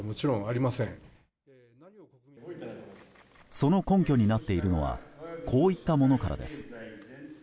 その根拠になっているのはこういったものからです。